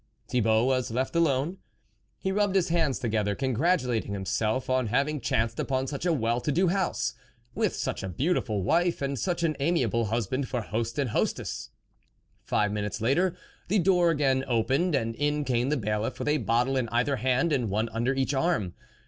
Thibault was left alone. He rubbed his lands together, congratulating himself on laving chanced upon such a well to do louse, with such a beautiful wife, and such an amiable husband for host and lostess. Five minutes later the door again opened, and in came the bailiff, with a bottle in either hand, and one under each arm.